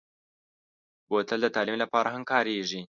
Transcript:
بوتل د تعلیم لپاره هم کارېږي.